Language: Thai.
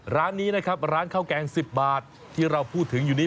ร้านนี้นะครับร้านข้าวแกง๑๐บาทที่เราพูดถึงอยู่นี้